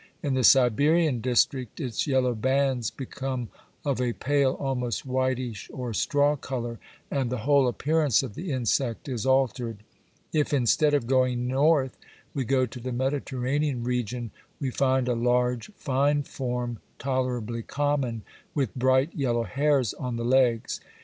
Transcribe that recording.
In the Siberian district its yellow bands become of a pale, almost whitish or straw colour, and the whole appearance of the insect is altered. If, instead of going north, we go to the Mediterranean region we find a large, fine form tolerably common, with bright yellow hairs on the legs.